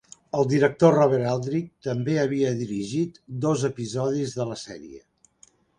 El director Robert Aldrich també havia dirigit dos episodis de la sèrie.